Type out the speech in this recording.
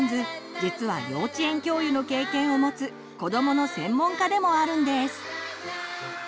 実は幼稚園教諭の経験をもつ子どもの専門家でもあるんです。